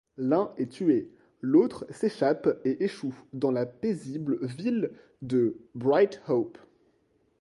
L'un est tué, l'autre s'échappe et échoue dans la paisible ville de Bright Hope.